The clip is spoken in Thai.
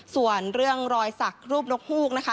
ส่วนเรื่องรอยสักรูปนกฮูกนะคะ